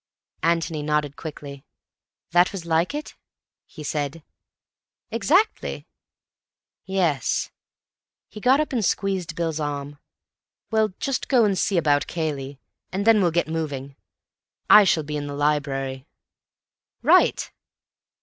Antony nodded quickly. "That was like it?" he said. "Exactly." "Yes." He got up and squeezed Bill's arm. "Well just go and see about Cayley, and then we'll get moving. I shall be in the library." "Right."